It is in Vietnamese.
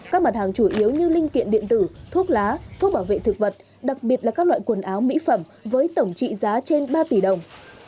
các mặt hàng chủ yếu như linh kiện điện tử thuốc lá thuốc bảo vệ thực vật đặc biệt là các loại quần áo mỹ phẩm với tổng trị giá trên ba tỷ đồng